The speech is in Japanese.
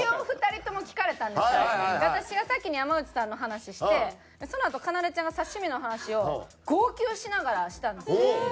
私が先に山内さんの話してそのあとかなでちゃんが刺身の話を号泣しながらしたんですよ。